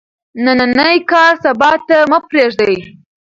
نننی کار سبا ته مه پریږدئ.